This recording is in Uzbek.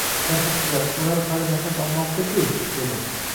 — Darhaqiqat, ular hali nafas olmoqda-ku? — dedi.